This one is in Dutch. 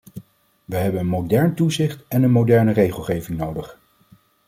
Wij hebben een modern toezicht en een moderne regelgeving nodig.